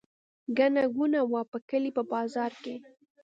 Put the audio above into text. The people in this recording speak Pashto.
ګڼه ګوڼه وه په کلي په بازار کې.